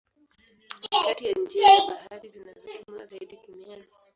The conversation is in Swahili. Ni kati ya njia za bahari zinazotumiwa zaidi duniani.